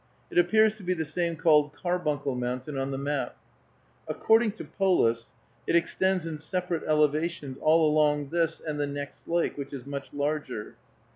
It appears to be the same called Carbuncle Mountain on the map. According to Polis, it extends in separate elevations all along this and the next lake, which is much larger.